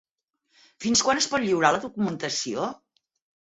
Fins quan es pot lliurar la documentació?